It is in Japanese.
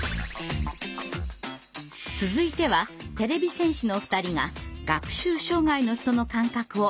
続いてはてれび戦士の２人が学習障害の人の感覚を疑似体験。